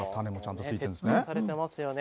徹底されてますよね。